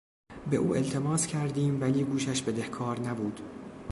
به او التماس کردیم ولی گوشش بدهکار نبود.